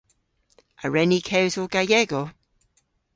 A wren ni kewsel Gallego?